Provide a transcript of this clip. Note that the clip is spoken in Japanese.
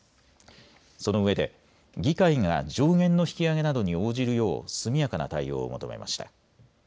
そのうえで議会が上限の引き上げなどに応じるよう速やかな対応を求めました。